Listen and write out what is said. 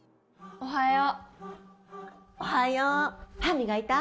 おはよう。